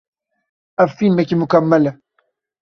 Ev fîlmekî mukemel e.